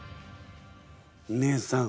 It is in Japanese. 姉さん